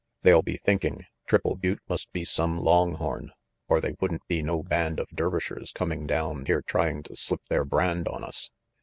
They'll be thinking Triple Butte must be some long horn or they wouldn't be no band of Dervishers coming down here trying to slip their brand on us.